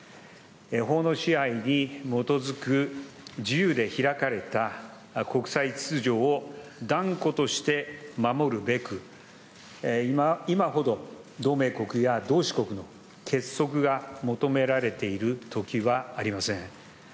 法の支配に基づく自由で開かれた国際秩序を断固として守るべく、今ほど同盟国や同志国の結束が求められているときはありません。